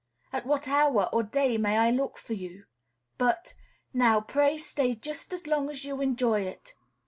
At what hour, or day, may I look for you?" but, "Now, pray stay just as long as you enjoy it.